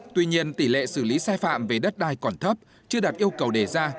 tuy nhiên tỷ lệ xử lý sai phạm về đất đai còn thấp chưa đạt yêu cầu đề ra